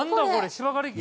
芝刈り機？